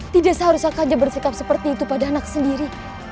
tidak seharusnya saja bersikap seperti itu pada anak sendiri